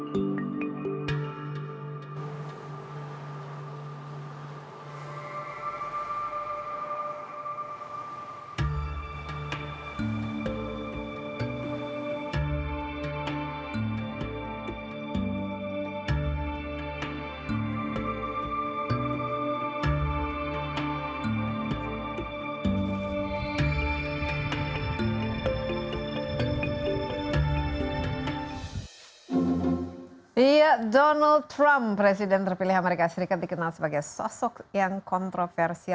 donald trump presiden terpilih amerika serikat dikenal sebagai sosok yang kontroversi